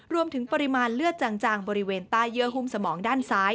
รวมถึงปริมาณเลือดจางบริเวณใต้เยื่อหุ้มสมองด้านซ้าย